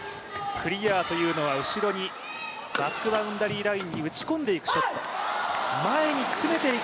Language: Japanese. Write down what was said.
クリアというのはバックバウンダリーラインに打ち込んでくるショット。